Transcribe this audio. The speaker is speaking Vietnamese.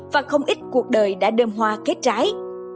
và không ít cuộc đời đã đơm hoa kết trái